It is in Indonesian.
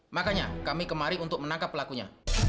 makanya kami kemari untuk menangkap pelakunya